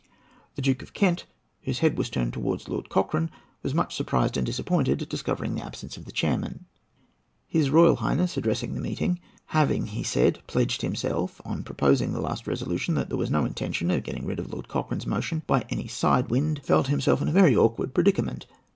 The Duke of Kent, whose head was turned towards Lord Cochrane, was much surprised and disappointed at discovering the absence of the chairman. The general cry was then raised: "The Duke of Kent to the chair." His Royal Highness addressed the meeting. Having, he said, pledged himself on proposing the last resolution that there was no intention of getting rid of Lord Cochrane's motion by any side wind, he felt himself in a very awkward predicament.